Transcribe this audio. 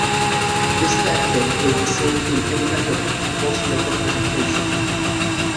This tactic is the same in any method of proportional representation.